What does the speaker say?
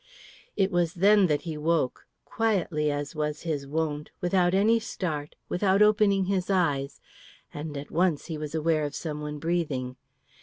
It was then that he woke, quietly as was his wont, without any start, without opening his eyes, and at once he was aware of someone breathing.